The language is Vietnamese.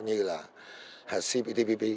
như là cptpp